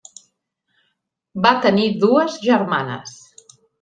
Va tenir dues germanes.